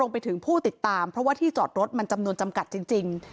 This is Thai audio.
ไปถึงผู้ติดตามเพราะว่าที่จอดรถมันจำนวนจำกัดจริง